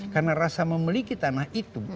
karena rasa memiliki tanah itu